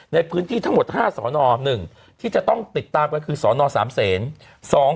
ในพื้นที่ทั้งหมด๕สอนอ๑ที่จะต้องติดตามก็คือสน๓เซน